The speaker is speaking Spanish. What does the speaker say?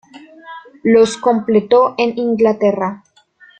Los completó en Inglaterra.